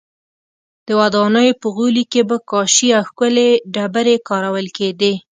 د ودانیو په غولي کې به کاشي او ښکلې ډبرې کارول کېدې